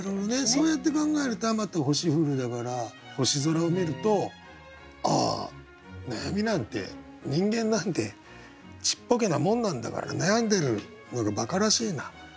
そうやって考えると「数多星降る」だから星空を見ると「ああ悩みなんて人間なんてちっぽけなもんなんだから悩んでるのがバカらしいな」。